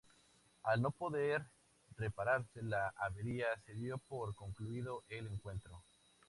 Al no poder repararse la avería se dio por concluido el encuentro.